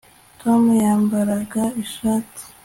Tom yambaraga ishati